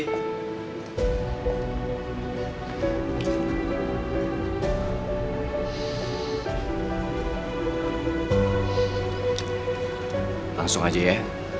langsung aja ya